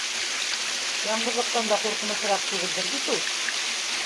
Яңғыҙлыҡтан да ҡурҡынысыраҡ түгелдер бит ул?!